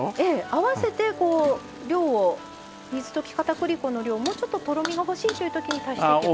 あわせてこう量を水溶き片栗粉の量もうちょっととろみが欲しいという時に足していけば。